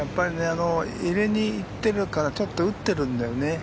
入れに行ってるからちょっと打ってるんだよね。